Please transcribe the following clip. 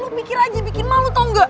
lo pikir aja bikin malu tau gak